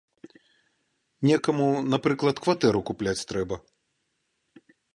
Некаму, напрыклад, кватэру купляць трэба.